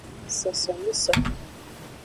Sosomiso.